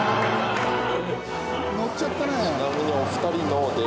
ノっちゃったね。